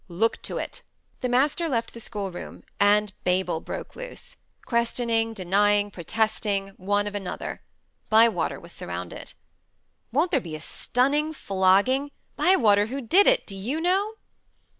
Look to it." The master left the schoolroom, and Babel broke loose questioning, denying, protesting, one of another. Bywater was surrounded. "Won't there be a stunning flogging? Bywater, who did it? Do you know?"